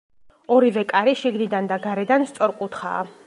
ორივე კარი შიგნიდან და გარედან სწორკუთხაა.